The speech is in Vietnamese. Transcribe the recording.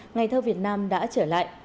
ngày thơ việt nam đã trở lại